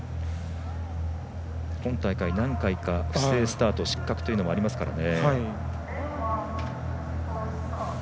今大会、何回か不正スタート失格というのもありますからね。